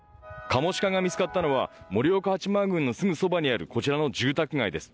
カモシカが見つかったのは盛岡八幡宮のすぐそばにあるこちらの住宅街です。